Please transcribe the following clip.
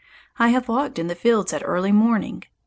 I have walked in the fields at early morning.